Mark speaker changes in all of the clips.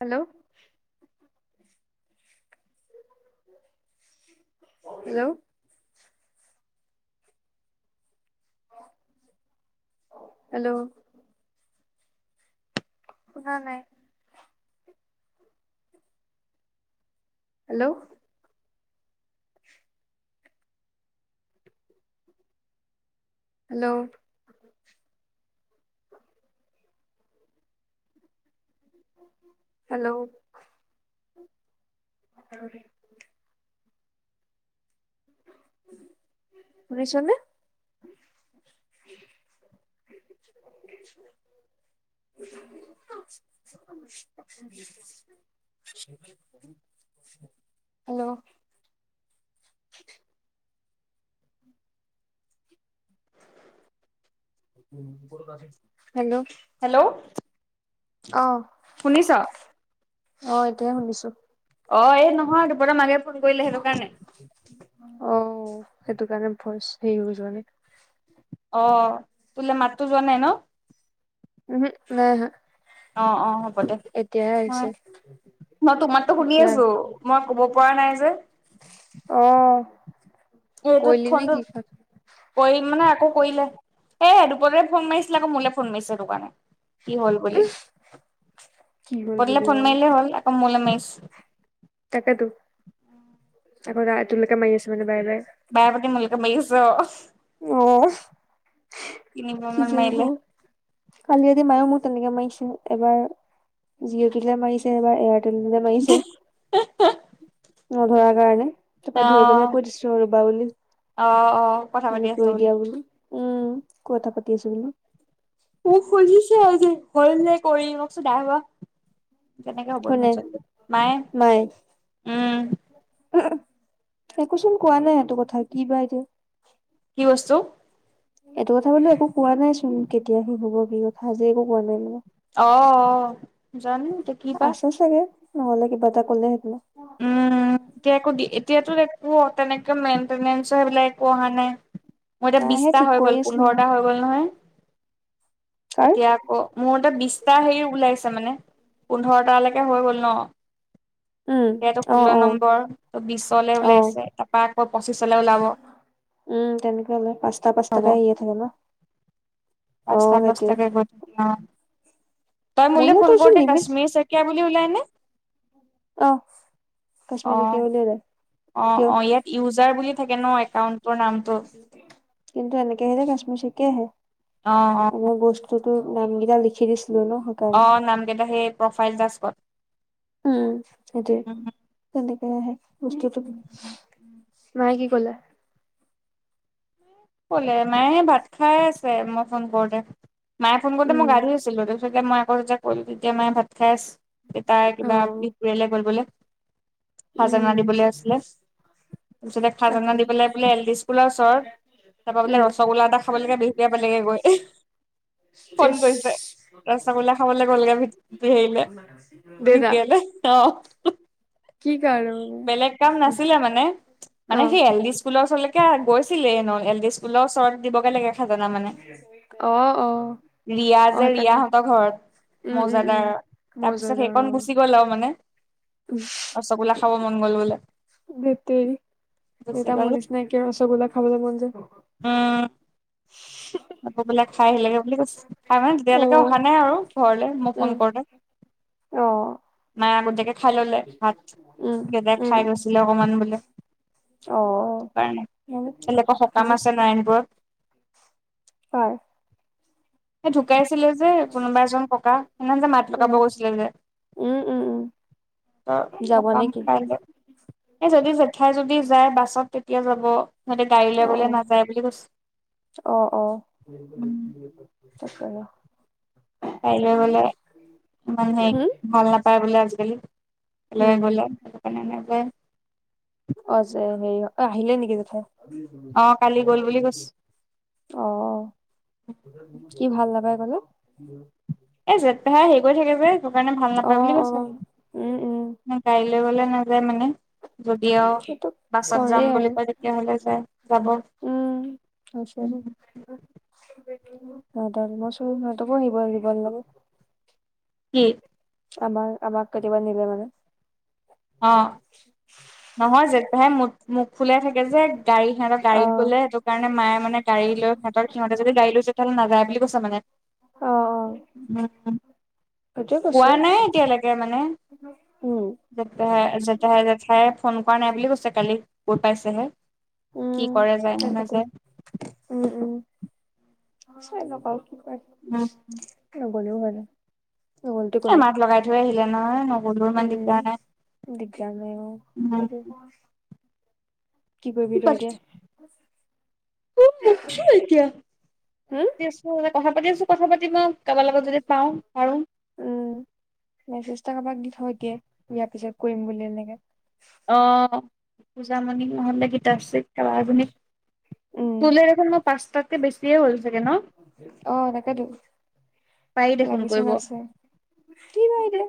Speaker 1: Hello, hello, hello, শুনা নাই। Hello. Hello. Hello. শুনিছ নে? [inaudible] [inaudible] হেল্ল'। হেল্ল'।
Speaker 2: হেল্ল'।
Speaker 1: অ'।
Speaker 2: শুনিছ?
Speaker 1: অ' এতিয়াহে শুনিছোঁ।
Speaker 2: অ' এই নহয় দুপতৰ মাকে ফোন কৰিলে সেইটো কাৰণে।
Speaker 1: [inaudible] অ' সেইটো কাৰণে ভইচ হেৰি বোৰ যোৱা নাই।
Speaker 2: অ' তোলে মাত টো যোৱা নাই ন?
Speaker 1: উম উহু নাই আহা।
Speaker 2: অ' অ' হ'ব দে
Speaker 1: এতিয়াহে আহিছে
Speaker 2: মই তোৰ মাততো শুনি
Speaker 1: এতিয়া
Speaker 2: আছোঁ। মই ক'ব পৰা নাই যে
Speaker 1: অ'।
Speaker 2: এইটো
Speaker 1: কৰিলি নে
Speaker 2: ফোনটো
Speaker 1: কি
Speaker 2: কৰিম মানে আকৌ কৰিলে এ দুপৰতে ফোন মাৰিছিলে আকৌ মোলে ফোন মাৰিছে সেই টে কাৰণে। কি হ'ল বুলি?
Speaker 1: কি হ'ল বুলি
Speaker 2: দুৰপতলৈ
Speaker 1: অ
Speaker 2: ফোন মাৰিলে হ'ল আকৌ মোলৈ মাৰিচে।
Speaker 1: তাকেতো আকৌ তোৰলৈকে মাৰি আছে মানে বাৰে বাৰে।
Speaker 2: বাৰেপতি মোৰলৈকে মাৰি আছে অ'।
Speaker 1: অ'
Speaker 2: তিনিবাৰ
Speaker 1: কি
Speaker 2: মান
Speaker 1: যে হ'ব?
Speaker 2: মাৰিলে
Speaker 1: কালি ৰাতি মায়েও মোক তেনেকে মাৰিছে, এবাৰ জীয়' তোলৈ মাৰিছে এবাৰ এয়াৰটেল টোলে মাৰিছে, নধৰাৰ কাৰণে।
Speaker 2: অ
Speaker 1: তাৰপৰা ধৰি পেলাই কৈ দিছো ৰ'বা বুলি।
Speaker 2: অ' অ'। কথা পাতি আছ
Speaker 1: ৰৈ দিয়া বুলি উম ক কথা পাতি আছোঁ বুলি।
Speaker 2: মোক খুজিছে আজি হ'ল নে কৰি মই কৈছোঁ নাই হোৱা। কেনেকে হ'ব ইমান
Speaker 1: কোনে
Speaker 2: জলদি মায়ে উম,
Speaker 1: একোচোন কোৱা নাই সেইটো কথা কি বা এতিয়া?
Speaker 2: কি বস্তু?
Speaker 1: এইটো কথা বোলো একো কোৱা নাই চোন, কেতিয়া শেষ হ'ব কি কথা আজি একো কোৱা নাই বোলো।
Speaker 2: অ' অ' যানো এতিয়া কি বা?
Speaker 1: হয় চাগে। নহ'ল কিবা এটা ক'লে হেতেন।
Speaker 2: উম, এতিয়া এতিয়াতো একো তেনেকে মেইনটেনেঞ্চ সেইবিলাক একো অহা নাই। মোৰ এতিয়া
Speaker 1: নাইহে
Speaker 2: বিশটা
Speaker 1: ঠিক
Speaker 2: হৈ
Speaker 1: কৰি
Speaker 2: গ'ল
Speaker 1: আছিলো মই
Speaker 2: পোন্ধৰটা হৈ গ'ল নহয়।
Speaker 1: কাৰ
Speaker 2: এতিয়া অ' মোৰ এতিয়া বিশটা হেৰি ওলাইছে মানে পোন্ধৰটালৈকে হৈ গ'ল ন।
Speaker 1: উম
Speaker 2: এতিয়া এইটো
Speaker 1: অ
Speaker 2: ষোল্ল
Speaker 1: অ
Speaker 2: নম্বৰ ত বিশলে
Speaker 1: অ
Speaker 2: ওলাইছে তাৰপৰা আকৌ পঁচিশলৈ ওলাব।
Speaker 1: উম তেনেকে ওলায় পাঁচ টা পাঁচটা
Speaker 2: হ'ব।
Speaker 1: কে আহি থাকে ন। অ
Speaker 2: পাঁচটা
Speaker 1: সেইটোৱে
Speaker 2: পাঁচটা কে [inaudible] তই মোলে
Speaker 1: মোলেতো
Speaker 2: ফোন
Speaker 1: চোন
Speaker 2: কৰোঁতে
Speaker 1: লিমিট
Speaker 2: কশ্মিৰ চে শইকীয়া বুলি ওলাই নে?
Speaker 1: অ কশ্মিৰ শইকীয়া
Speaker 2: অ'।
Speaker 1: বুলি ওলাই।
Speaker 2: অ
Speaker 1: কিয়
Speaker 2: অ ইয়াত ইউজাৰ বুলি থাকে ন একাউন্টৰ নামটো।
Speaker 1: কিন্তু এনেক আহিলে কশ্মিৰ শইকীয়া আহে।
Speaker 2: অঁ অঁ।
Speaker 1: মই বস্তুতটো নাম কেইটা লিখি দিছিলো ন।
Speaker 2: অ
Speaker 1: সেইকাৰণে।
Speaker 2: নাম কেইটা সেই প্ৰফাইল টাস্কত।
Speaker 1: উম সেইটোৱেই
Speaker 2: উম
Speaker 1: তেনেকে আহে। [unintelligible] মায়ে কি কলে?
Speaker 2: কলে মায়ে ভাত খাই আছে মই ফোন কৰোতে, মায়ে ফোন কৰোতে মই
Speaker 1: উম,
Speaker 2: গা ধুই আছিলোঁ ততে মই আকৌ যেতিয়া কল তেতিয়া মায়ে ভাত খাই আছো দেউতাই
Speaker 1: অ।
Speaker 2: কিবা বিহপুৰীয়ালে গ'ল বোলে। খাজানা
Speaker 1: উম,
Speaker 2: দিবলে আছিলে, তাৰপিছতে খাজানা
Speaker 1: তাকে
Speaker 2: দি পেলাই বোলে এল ডি স্কুলৰ ওচৰত তাপা বোলে
Speaker 1: উম,
Speaker 2: ৰসগোল এটা খাবালেকে বিহপুৰীয়া পালেগে গৈ। ফোন
Speaker 1: ইচ
Speaker 2: কৰিছে ৰাসগোল্লা খাবলে গ'লগে ভিত হেৰিলে।
Speaker 1: [inaudible]
Speaker 2: বিহপুৰীয়ালে অ।
Speaker 1: কি কাৰণে মানে
Speaker 2: বেলেগ কাম নাছিলে মানে, মানে
Speaker 1: অ,
Speaker 2: সেই এল ডি স্কুলৰ ওচৰলেকে গৈছিলে ন এল ডি স্কুলৰ ওচৰত দিবগে লাগে। খাজনা মানে
Speaker 1: অ, অ,
Speaker 2: ৰিয়া
Speaker 1: অ
Speaker 2: যে
Speaker 1: সেইকাৰণে
Speaker 2: ৰিয়াহঁতৰ ঘৰত।
Speaker 1: উম, উম, উম।
Speaker 2: মৌজাদাৰ
Speaker 1: মৌ
Speaker 2: তাৰপিছত
Speaker 1: জৰ্দাৰ
Speaker 2: সেইকণ
Speaker 1: অ,
Speaker 2: গুচি গ'ল আও মানে। ৰসগোল্লা খাব মন গ'ল বোলে, গুছি গল।
Speaker 1: এনেকে ৰসগোল্লা খাবলে মন যায়।
Speaker 2: অঁ। আকৌ বোলে খায় আহিলেগে বুলি কৈছে, তাৰমানে
Speaker 1: অ,
Speaker 2: তেতিয়ালেকে অহা নাই আৰু ঘৰলে মই ফোন কৰোতে।
Speaker 1: অঁ।
Speaker 2: মায়ে আগটিয়াকে খায় ললে ভাত,
Speaker 1: উম,
Speaker 2: দেউতাই
Speaker 1: উম,
Speaker 2: খায় গৈছিলে অকমান বোলে।
Speaker 1: অ।
Speaker 2: [inaudible] কাইলে
Speaker 1: মানে
Speaker 2: আক সকাম আছে নাৰায়ণপুৰত।
Speaker 1: হয়।
Speaker 2: সেই ঢুকাইছিলে যে কোনোবা এজন ককা, সেইদিনা যে মাত লগাব
Speaker 1: উম,
Speaker 2: গৈছিলে বুলে।
Speaker 1: উম উম উম। যাব
Speaker 2: সকাম
Speaker 1: নেকি
Speaker 2: [inaudible] এই যদি জেঠাই যদি যায় বাছত তেতিয়া যাব। সিহঁতে গাড়ী লৈ গ'লে
Speaker 1: অহ
Speaker 2: নাযায় বুলি কৈছে
Speaker 1: অহ অহ।
Speaker 2: উম
Speaker 1: তাকেহে।
Speaker 2: গাড়ী লৈ গলে মানুহে
Speaker 1: হম
Speaker 2: ভাল নাপায় বোলে আজিকালি। গলে
Speaker 1: উম
Speaker 2: সেইটো কাৰণে নেযায়।
Speaker 1: অযে হেৰি অ, ঐ আহিলে নেকি জেঠাই? [inaudible]
Speaker 2: অ কালি গ'ল বুলি কৈছে
Speaker 1: অ অ, কি ভাল নেপায় কলে?
Speaker 2: এই জেঠ পেহাই হেৰি কৰি থাকে যে সেইটো কাৰণে ভাল
Speaker 1: অ
Speaker 2: নাপায় বুলি
Speaker 1: অ
Speaker 2: কৈছে।
Speaker 1: উম উম
Speaker 2: গাড়ী লৈ গলে নাযায় মানে, যদি আও
Speaker 1: সেইটো
Speaker 2: বাছত
Speaker 1: কৰে
Speaker 2: যাম
Speaker 1: আৰু
Speaker 2: বুলি কয় তেতিয়া হলে যাই যাব।
Speaker 1: উম [inaudible] [inaudible] সিহঁতকো নিব লাগিব [inaudible]
Speaker 2: কি?
Speaker 1: আমাৰ আমাক কেতিয়াব নিলে মানে।
Speaker 2: অঁ নহয় যেঠপেহাই ম মুখ ফুলিয়াই থাকে যে। গাড়ী সিহঁতৰ
Speaker 1: অ
Speaker 2: গাড়ীত গ'লে সেকাৰণে মায়ে মানে গাড়ী লৈ সিহঁতৰ সিহঁতে যদি গড়ী লৈ তেতিয়াহ'লে নাযায় বুলি কৈ মানে।
Speaker 1: অ অ
Speaker 2: উম
Speaker 1: সেইটোয়ে কৈছো
Speaker 2: পোৱা নাই এতিয়ালৈকে মানে,
Speaker 1: উম
Speaker 2: জেঠপেহা ঠাই জেঠাইে ফোন কৰা নাই বুলি কৈছে, কালি গৈ পাইছেহে। কি
Speaker 1: উম
Speaker 2: কৰে, যায় নে
Speaker 1: তাকেতো
Speaker 2: নাযায়?
Speaker 1: উম উম চাইলক আও কি কয়
Speaker 2: উম,
Speaker 1: নগলেও হয় ন নগ'লেতো একো
Speaker 2: এ
Speaker 1: নাই
Speaker 2: মাক লগাই থৈ আহিলে নহয় নগলো ইমান
Speaker 1: উম
Speaker 2: দিগদাৰ নাই।
Speaker 1: দিগদাৰ নাই অ
Speaker 2: উম
Speaker 1: সেইটো কি কৰিবি তই এতিয়া?
Speaker 2: উম [unintelligible] এতিয়া ক
Speaker 1: হম
Speaker 2: পাতি আছো, কথা পাতি আছো কথা পাতিম আও কাৰোবাৰ লগত যদি পাওঁ পাৰো।
Speaker 1: উম মেচেচ এটা কাবাক দি থ এতিয়াই বিয়াৰ পিছত কৰিম বুলি এনেকে।
Speaker 2: অঁ পূজামণিক নহলে গিতাশ্ৰীক। কাবা এজনিক
Speaker 1: উম
Speaker 2: তুল দেখুন মই পাঁচটাতকে বেছিয়ে হ'ল চাগে ন।
Speaker 1: অঁ, তাকেতো
Speaker 2: পাৰি দেখোন
Speaker 1: লাগিচোন
Speaker 2: কৰিব
Speaker 1: আছে কি বা এতিয়া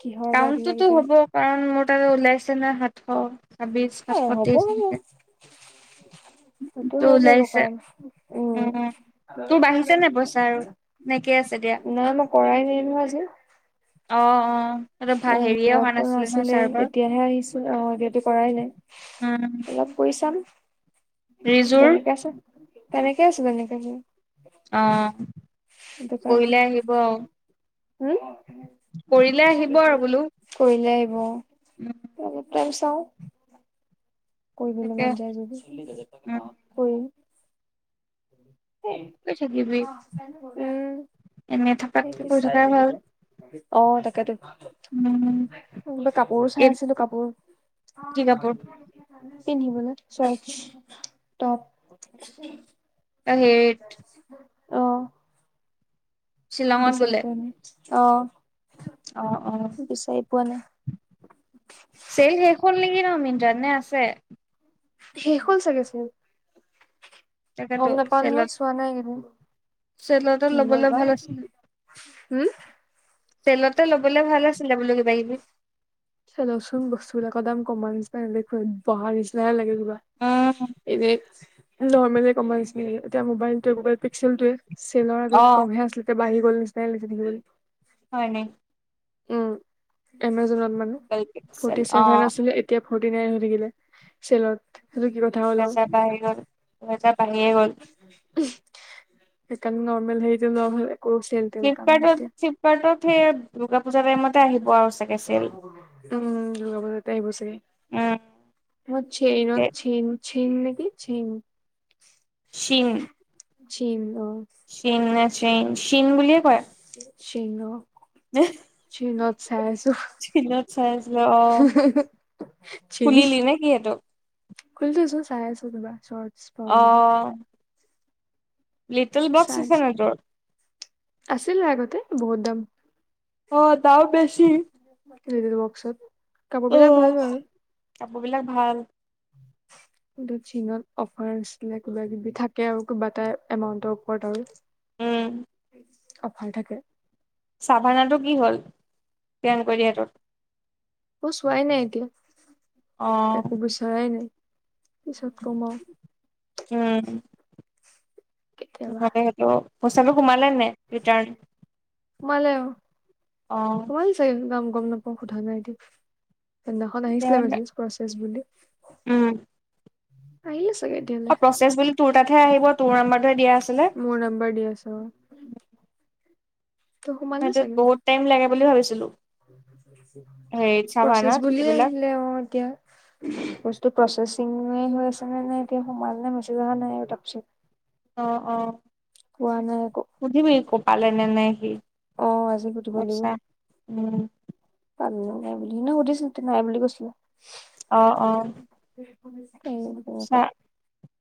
Speaker 1: কিহৰ বা এইবিলাক
Speaker 2: কামটোতো
Speaker 1: এতিয়া
Speaker 2: হ'ব কাৰণ মোৰ তাতে ওলাইছে না সাতশ ছাব্বিশ
Speaker 1: এ
Speaker 2: সাতশ
Speaker 1: হ'ব
Speaker 2: তেইচ
Speaker 1: হ'ব
Speaker 2: এনেকে
Speaker 1: সেইটো
Speaker 2: তো
Speaker 1: হৈ যাব,
Speaker 2: ওলাইছে
Speaker 1: কাৰণ
Speaker 2: তোৰ
Speaker 1: উম।
Speaker 2: বাঢ়িছে নে পইচা আৰু নেকে আছে দিয়া
Speaker 1: নাই মই কৰাই নাই নহয় আজি।
Speaker 2: অ অঁ
Speaker 1: [unintelligible] নাছিলেই এতিয়াহে আহিছে, অহ এতিয়াটো কৰাই নাই।
Speaker 2: উম
Speaker 1: অলপ কৰি চাম।
Speaker 2: ৰিজুৰ
Speaker 1: বেলেকে আছে, তেনেকে আছে যেনেকে আছে।
Speaker 2: অ কৰিলে আহিব
Speaker 1: হোম। কৰিলে
Speaker 2: আহিব আৰু বোলো
Speaker 1: আহিব।
Speaker 2: উম
Speaker 1: কৰি, চাওঁ। কৰিবলৈ
Speaker 2: তাকে
Speaker 1: মন যায় যদি,
Speaker 2: উম
Speaker 1: কৰিম। সেই
Speaker 2: কৰি থাকিবি। এনেই থকাতকে কৰি থকাই
Speaker 1: উম
Speaker 2: ভাল।
Speaker 1: অ' তাকেতো।
Speaker 2: উম
Speaker 1: বোলো কাপোৰো চাই
Speaker 2: এই
Speaker 1: আছিলো কাপোৰ।
Speaker 2: কি কাপোৰ
Speaker 1: পিন্ধিবলৈ চাৰ্ট টপ।
Speaker 2: এই হেত
Speaker 1: অঁ
Speaker 2: শ্বিলঙত
Speaker 1: বিচাৰি
Speaker 2: গ'লে
Speaker 1: পোৱা নাই,
Speaker 2: অ অ
Speaker 1: অঁ বিচাৰি পোৱা‌‌ নাই।
Speaker 2: চেৰ শেষ হ'ল নেকি ন, মিনত্ৰাত নে আছে?
Speaker 1: শেষ হ'ল চাগে ছেল।
Speaker 2: তাকেতো
Speaker 1: গম নাপাও নহয় চোৱা নাই এইকেইদিন
Speaker 2: চেলৰটাত লবলৈ ভাল আছিলে।
Speaker 1: উম
Speaker 2: তেলতে ল'বলৈ ভাল আছিলে বুলো কিবি কিবি।
Speaker 1: চাইলকচোন বস্তু বিলাকৰ দাম কমা নিচিনা নেদখো বহা নিচিনাহে লাগে।
Speaker 2: উম
Speaker 1: এনে নৰ্মেলে কমাইছিল এতিয়া মবাইল টোৱে গাবেল পিক্সেল টোয়ে চেলৰ
Speaker 2: অ
Speaker 1: আগত কমহে আছিলে কেবা আহি গল নিচিনাই লাগিছে
Speaker 2: হয় নি
Speaker 1: উম এমাজনত মানে
Speaker 2: পিক্সেল
Speaker 1: ফৰ্টি
Speaker 2: অ
Speaker 1: চেভেন আছিল এইট এতিয়া ফৰ্টি নাইন হৈ থাকিলে চেলত সেইটো কি কথা হ'ল আও
Speaker 2: তাছত আহি গ'ল তাছত আহিয়ে গ'ল
Speaker 1: সেইকাৰণে নৰ্মেল হেৰিটো নৰ্মেল আকৌ চেল তেল কাম নাই
Speaker 2: ফ্লিপকাৰ্টত ফ্লিপকাৰ্টত সেই দুৰ্গা পূজা টাইমতে আহিব আৰু চা
Speaker 1: উম দূৰ্গা পূজাতে আহিব চাগে
Speaker 2: উম
Speaker 1: মই চেইনত
Speaker 2: তে
Speaker 1: চেইন চেইন নেকি চেইন
Speaker 2: চীন
Speaker 1: চিম অ
Speaker 2: চীম নে চেইম চিম বুলি
Speaker 1: চিম অ
Speaker 2: [unintelligible]
Speaker 1: চিনত চাই চাইছো
Speaker 2: চিনত চাই আছিলি অ
Speaker 1: চিনি
Speaker 2: খুলিলি নে কি সেইটো
Speaker 1: খুলি থৈছো চাই আছো কিবা চ্ৰট
Speaker 2: অ লিটিল বক্স আছে নাই তোৰ
Speaker 1: আছিল আগতে বহুত দাম
Speaker 2: অ দাম বেছি
Speaker 1: লিটিল বক্সত কাপোৰ বিলাক
Speaker 2: অ
Speaker 1: ভাল বাৰু
Speaker 2: কাপোৰ বিলাক ভাল [inaudible]
Speaker 1: কিন্তু চিনত অফাৰ আছিলে কিবা কিবি থাকে আৰু কিবা এটা এমাউন্টৰ ওপৰত
Speaker 2: উম
Speaker 1: আৰু অফাৰ থাকে
Speaker 2: চাভানাটো কি হল স্কেম কৰি দিয়াতোত
Speaker 1: মই চোৱাই নাই এতিয়া
Speaker 2: অ
Speaker 1: একো বিচৰাই নাই পিছত কম আও
Speaker 2: উম
Speaker 1: কেতিয়াবা
Speaker 2: থাকে সেইটো পইচাটো সোমালে নাই ৰিটাৰ্ণ অ
Speaker 1: গাম গম নাপাওঁ সোধা নাই দেই সেইদিনাখন আহিছিলে
Speaker 2: তেতিয়াহলে
Speaker 1: মেছেজ প্ৰচেছ বুলি
Speaker 2: উম
Speaker 1: আহিলে চাগে এতিয়া
Speaker 2: অ প্ৰচেছ বুলি তোৰ তাতহে আহিব তোৰ নম্বাৰটোহে দিয়া আছে
Speaker 1: মোৰ নম্বৰ দিয়া আছে অ ত সোমালে
Speaker 2: সেইটোত
Speaker 1: চাগে
Speaker 2: বহুত টাইম লাগে বুলি ভাবিছিলো হেৰিত
Speaker 1: প্ৰচেছ
Speaker 2: চাভানাত
Speaker 1: বুলিয়ে
Speaker 2: এইবিলাক
Speaker 1: আহিলে অ এতিয়া বস্তু প্ৰচেচিঙে হৈ আছে নে নে এতিয়া সোমাল নে মেছেজ অহা নাই তাপিচত
Speaker 2: অ অ
Speaker 1: নাই একো
Speaker 2: সুধিবি কো পালে নে নাই সি
Speaker 1: অ আজি সুধিব
Speaker 2: পইছা উম
Speaker 1: পালে নে নাই বুলি মই সুধিছিলো তো নাই বুলি কৈছিলে
Speaker 2: অ অ
Speaker 1: উম
Speaker 2: চা,
Speaker 1: তেনেকুৱা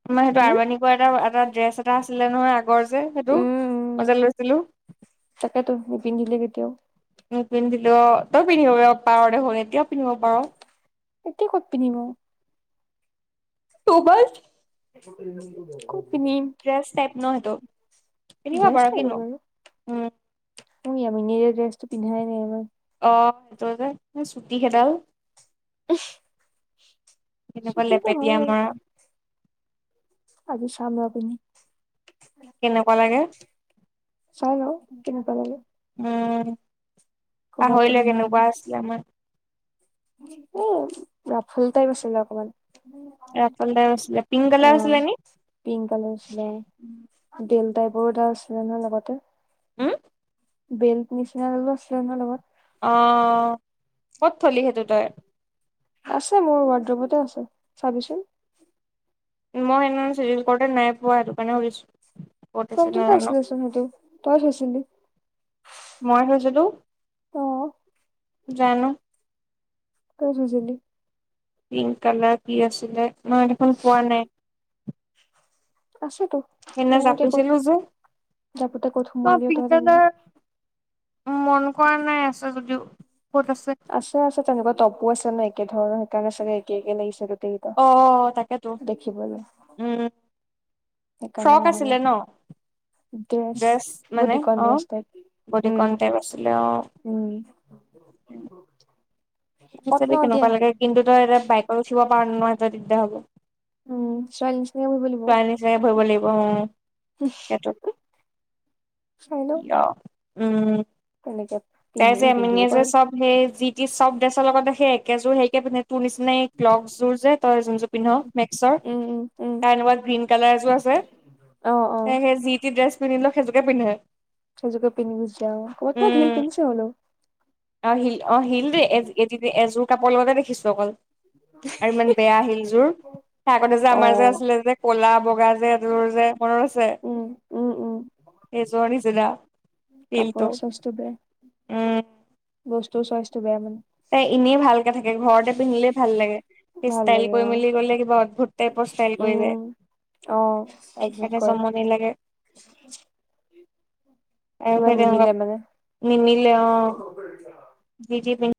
Speaker 2: তোমাৰ সেইটো আৰবানিকৰ এটা এটা ড্ৰেছ এটা আছিলে নহয়, আগৰ যে সেইটো
Speaker 1: উম উম
Speaker 2: মই যে লৈছিলো।
Speaker 1: তাকেতো নিপিন্ধিলে কেতিয়াও
Speaker 2: মোক পিন্ধিলো অ, তই পিন্ধিব পাৰ দেখোন এতিয়াও পিন্ধিব পাৰ।
Speaker 1: এতিয়া ক'ত পিন্ধিব?
Speaker 2: ক'ৰবাত।
Speaker 1: [unintelligible]
Speaker 2: ড্ৰেছটাইপ ন সেইটো। পন্ধিব পাৰ কিনো উম।
Speaker 1: উ ই আ মনে ড্ৰেছটো পিন্ধাই নাই আমাৰ [unintelligible]
Speaker 2: অ সেইটো যে ছুটি সেইডাল।
Speaker 1: উমহ।
Speaker 2: তেনেকুৱা
Speaker 1: হয়
Speaker 2: লেপেটীয়া
Speaker 1: বাৰু
Speaker 2: মৰা।
Speaker 1: আজি চাম বাও পিন্ধি।
Speaker 2: কেনেকুৱা লাগে।
Speaker 1: চাই ল‌ওঁ কেনেকোৱা লাগে।
Speaker 2: উম
Speaker 1: কবাতটো
Speaker 2: পাহৰিলে
Speaker 1: পিন্ধা
Speaker 2: কেনেকুৱা আছিলে আমাৰ।
Speaker 1: এ ৰাফুল টাইপ আছিলে অকমান।
Speaker 2: ৰাফল টাইপ আছিলে। পিংক
Speaker 1: অ
Speaker 2: কালাৰ আছিলে নি?
Speaker 1: পিংক কালাৰ আছিলে উম। ডেল টাইপৰ এটা আছিলে নহয় লগতে।
Speaker 2: হম?
Speaker 1: বেল্ট নিচনা ডিলো আছিল নহয় লগত।
Speaker 2: অ ক'ত থলি সেইটো তই?
Speaker 1: আছে মোৰ ৱাৰড্ৰবতে আছে। চাবিচোন।
Speaker 2: মই সেইদিনা চিৰি কৰোতে নাই পোৱা সেইটো কাৰণে সুধিছো। ক'ত আছে
Speaker 1: চন্তুতে
Speaker 2: নাজানো
Speaker 1: আছিলে চোন সেইতো, তই থৈছিলি।
Speaker 2: মই থৈছিলো,
Speaker 1: অ
Speaker 2: জানো!
Speaker 1: ত‌ই থৈছিলি।
Speaker 2: পিংক কালাৰ কি আছিলে, মই দেখোন পোৱা নাই।
Speaker 1: আছেতো।
Speaker 2: সেইদিনা
Speaker 1: জানো এতিয়া ক'ত
Speaker 2: জাপিছিলো যে,
Speaker 1: জাপোতে ক'ত
Speaker 2: অ
Speaker 1: সোমোৱালি
Speaker 2: পিংক
Speaker 1: তই জানিবি
Speaker 2: কালাৰ মন কৰা নাই আছে যদিও, ক'ত আছে।
Speaker 1: আছে তেনেকুৱা তপো আছে নে একে ধৰণৰ, সেইকাৰণে ছাগে একে একে লাগিছে। গোটেইকেইটা
Speaker 2: অ তাকেতো।
Speaker 1: দেখিবলৈ
Speaker 2: উম।
Speaker 1: সেইকাৰণে
Speaker 2: ফ্ৰক
Speaker 1: অহা নাই
Speaker 2: আছিলে ন?
Speaker 1: ড্ৰেছ, বহুত
Speaker 2: মানে
Speaker 1: দীঘল
Speaker 2: অ
Speaker 1: ড্ৰেছ টাইপ।
Speaker 2: বডি
Speaker 1: উম
Speaker 2: কন টাইপ আছিলে অ
Speaker 1: উম।
Speaker 2: পিন্ধি
Speaker 1: পট ন
Speaker 2: চাবি
Speaker 1: এতিয়া
Speaker 2: কেনেকুৱা লাগে, কিন্তু তই এতিয়া বাইকত উঠিব পাৰ নে নোৱাৰ সেইটোৱে দিগদাৰ হ'ব।
Speaker 1: উম ছোৱালী নিচিনাকে
Speaker 2: ল'ৰা নিচিনাকে বহিব লাগিব উম।
Speaker 1: উমহ হুম হুম। চাই ল‌ওঁ।
Speaker 2: কিয় উম।
Speaker 1: তেনেকে
Speaker 2: তাই যে
Speaker 1: পিন্ধিব
Speaker 2: মিনে যে
Speaker 1: পাৰো
Speaker 2: চব সেই যিটি চব ড্ৰেছৰ লগত সেই একেযোৰ সেইকে পিন্ধে। তোৰ নিচিনা ক্লগ যোৰ যে, তই যোনযোৰ পিন্ধ
Speaker 1: উম
Speaker 2: মেক্সৰ,
Speaker 1: উম উম উম
Speaker 2: তাৰ এনেকুৱা গ্ৰীণ কালাৰ এযোৰ আছে,
Speaker 1: অ অ
Speaker 2: সেই যি টি ড্ৰেছ পিন্ধিলো সেইযোকে পিন্ধে।
Speaker 1: সেইজোকে পিন্ধি ফুৰিছে আও। ক'বাত ক'বাত
Speaker 2: উম
Speaker 1: হিল্ছ পিন্ধছে হলো।
Speaker 2: অ শিল অ শিল দেই এ এ এযোৰ কাপোৰৰ লগতে দেখিছো অকল। আৰু
Speaker 1: [inaudible]
Speaker 2: ইমান বেয়া আহিলযোৰ সেই আগতে যে
Speaker 1: অ
Speaker 2: আমাৰ যে আছিলে যে কলা বগা যে এযোৰ যে, মনত আছে?
Speaker 1: উম উম উম
Speaker 2: সেইযোৰৰ নিচিনা। হিলটো
Speaker 1: কাপোৰৰ
Speaker 2: উম।
Speaker 1: বস্তু চাইজটো বেয়া মানে।
Speaker 2: তাই এনে ভালকে থাকে, ঘৰতে পিন্ধিলে ভাল লাগে।
Speaker 1: ভাল
Speaker 2: ষ্টাইল
Speaker 1: লাগে
Speaker 2: কৰি
Speaker 1: অ
Speaker 2: মেলি কলে কিবা, অদ্ভুত টাইপৰ ষ্টাইল কৰি যায়।
Speaker 1: উম অ একজোট
Speaker 2: [unintelligible]
Speaker 1: কৰে
Speaker 2: জমনি লাগে।
Speaker 1: কিবা নিমিলে মানে
Speaker 2: আৰু [unintelligible]